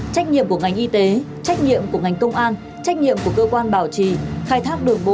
trách nhiệm của ngành công an trách nhiệm của cơ quan bảo trì khai thác đường bộ